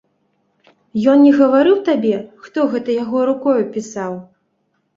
Ён не гаварыў табе, хто гэта яго рукою пісаў?